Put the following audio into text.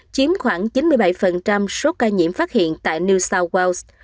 chiếm khoảng chín mươi bảy số ca nhiễm phát hiện tại new south wales